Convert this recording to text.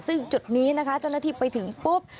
ซึ่งจุดนี้นะคะเจ้าหน้าที่ไปถึงปุ๊บ